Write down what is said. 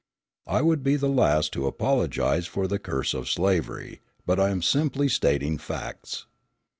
I would be the last to apologise for the curse of slavery; but I am simply stating facts.